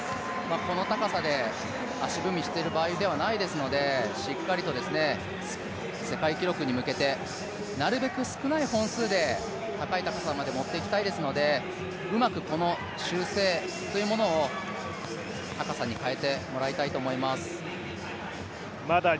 この高さで足踏みしている場合ではないですのでしっかりと世界記録に向けて、なるべく少ない本数で高い高さまでもっていきたいですので、うまくこの修正というものを高さに変えてもらいたいと思います。